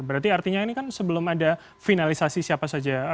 berarti artinya ini kan sebelum ada finalisasi siapa saja